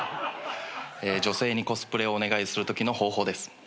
女性にコスプレをお願いするときの方法です。